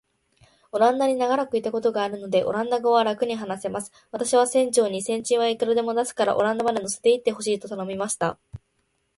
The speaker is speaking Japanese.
オランダに長らくいたことがあるので、オランダ語はらくに話せます。私は船長に、船賃はいくらでも出すから、オランダまで乗せて行ってほしいと頼みました。